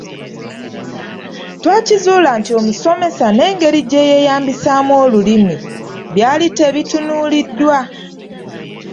Twakizuula nti omusomesa n’engeri gye yeeyambisaamu Olulimi byali tebitunuuliddwa.